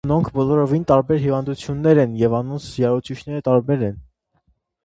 Անոնք բոլորովին տարբեր հիւանդութիւններ են եւ անոնց յարուցիչները տարբեր են։